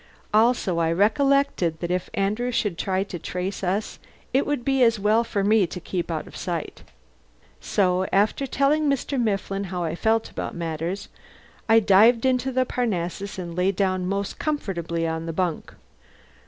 Also I recollected that if Andrew should try to trace us it would be as well for me to keep out of sight. So after telling Mr. Mifflin how I felt about matters I dived into the Parnassus and lay down most comfortably on the bunk.